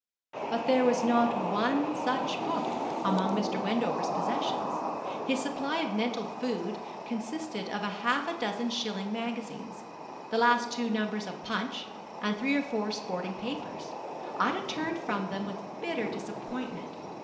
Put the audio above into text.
But there was not one such book among Mr. Wendover's possessions. His supply of mental food consisted of a half a dozen shilling magazines, the two last numbers of Punch, and three or four sporting papers. Ida turned from them with bitter disappointment.